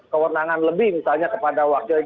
kewenangan lebih misalnya kepada wakil